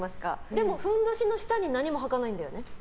でも、ふんどしの下に何もはかないんだよね。